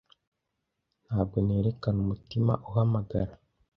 ntabwo nerekana umutima uhamagara